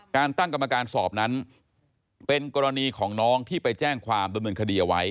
การตั้งกรรมการสอบนั้นเป็นกรณีของน้องที่ไปแจ้งความดำเนินคดีเอาไว้